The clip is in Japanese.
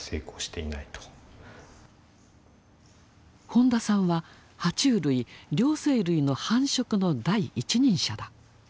本田さんはは虫類両生類の繁殖の第一人者だ。